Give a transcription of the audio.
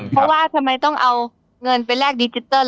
เพราะว่าทำไมต้องเอาเงินไปแลกดิจิตอล